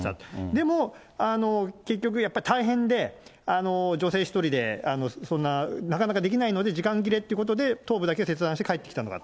でも、結局やっぱり大変で、女性１人でそんななかなかできないので、時間切れっていうことで、頭部だけ切断して帰ってきたのか。